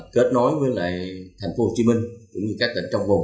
kết nối với lại thành phố hồ chí minh cũng như các tỉnh trong vùng